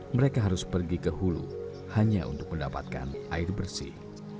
mereka harus pergi ke hulu hanya untuk mendapatkan air bersih